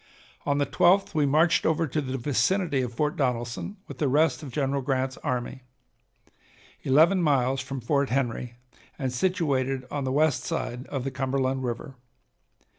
On the 12th we marched over to the vicinity of Fort Donelson with the rest of General Grant's army, eleven miles from Fort Henry, and situated on the west side of the Cumberland River.